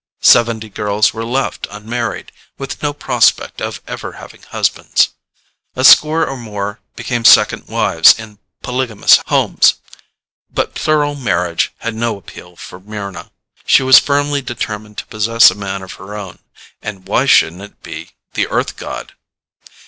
Seventy girls were left unmarried, with no prospect of ever having husbands. A score or more became second wives in polygamous homes, but plural marriage had no appeal for Mryna. She was firmly determined to possess a man of her own. And why shouldn't it be the Earth god?